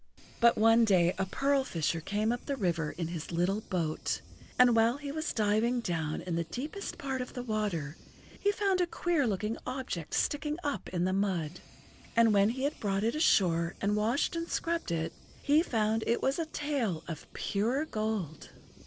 But one day a pearl fisher came up the river in his little boat, and while he was diving down in the deepest part of the water he found a queer looking object sticking up in the mud, and when he had brought it ashore and washed and[Pg 90] scrubbed it, he found it was a tail of pure gold.